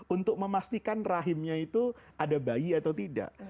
untuk memastikan rahimnya itu ada bayi atau tidak